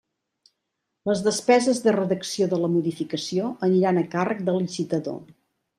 Les despeses de redacció de la modificació aniran a càrrec del licitador.